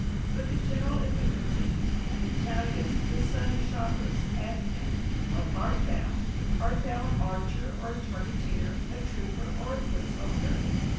But the general Iphicrates — when Callias, the son of Chabrias, asked him, What art thou? Art thou an archer or a targeteer, a trooper or a foot soldier